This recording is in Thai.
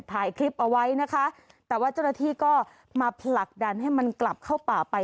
ถ่ายคลิปเอาไว้นะคะแต่ว่าเจ้าหน้าที่ก็มาผลักดันให้มันกลับเข้าป่าไป